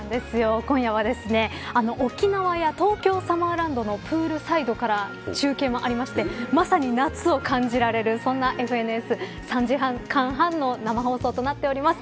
今夜は沖縄や東京サマーランドのプールサイドから中継もありまして、まさに夏を感じられるそんなＦＮＳ３時間半の生放送となっています。